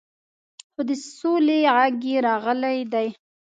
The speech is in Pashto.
خو د سولې غږ یې راغلی دی.